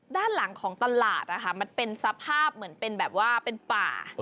ด้านหลังของตลาดนะคะมันเป็นสภาพเหมือนเป็นแบบว่าเป็นป่า